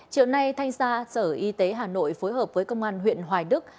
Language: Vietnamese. chiều nay thanh tra sở y tế hà nội phối hợp với công an huyện hoài đức